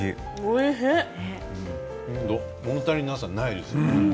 もの足りなさ、ないですね。